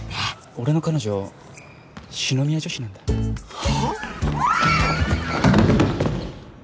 俺の彼女篠宮女子なんだはあ！？